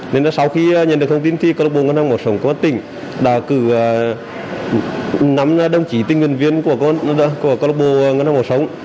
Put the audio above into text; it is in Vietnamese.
nên là sau khi nhận được thông tin thì câu lạc bộ ngân hàng máu sống của bệnh viện đại hóa tỉnh đã cử năm đồng chỉ tình nguyên viên của câu lạc bộ ngân hàng máu sống